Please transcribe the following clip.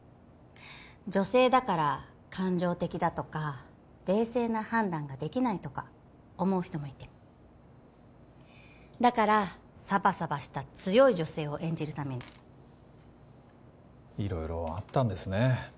女性だから感情的だとか冷静な判断ができないとか思う人もいてだからサバサバした強い女性を演じるために色々あったんですね